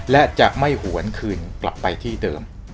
และจะไม่หวนคืนกลับไปที่เดิม